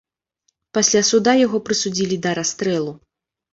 Пасля суда яго прысудзілі да расстрэлу.